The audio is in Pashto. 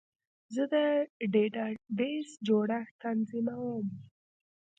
زه د ډیټابیس جوړښت تنظیموم.